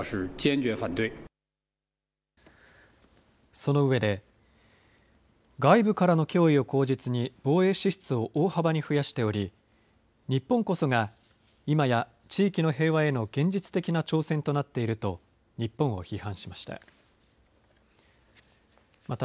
その上で外部からの脅威を口実に防衛支出を大幅に増やしており日本こそが今や地域の平和への現実的な挑戦となっていると日本を批判しました。